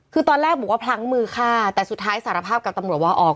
คือตอนแรกบอกว่าพลั้งมือฆ่าแต่สุดท้ายสารภาพกับตำรวจว่าออก